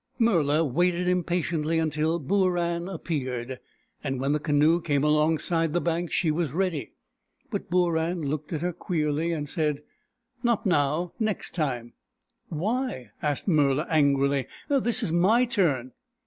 Murla waited impatiently until Booran ap peared, and when the canoe came alongside the bank she was ready. But Booran looked at her queerly, and said, " Not now — next time !" "Why?" asked Murla angrily, "This is my turn."